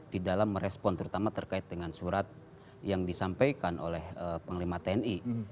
di dalam merespon terutama terkait dengan surat yang disampaikan oleh panglima tni